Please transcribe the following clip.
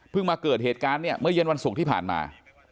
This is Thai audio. เพิ่งมาเกิดเหตุการณ์เมื่อเย็นวันส่งที่ผ่านมา